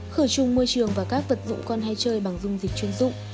khử trùng môi trường và các vật dụng con hay chơi bằng dung dịch chuyên dụng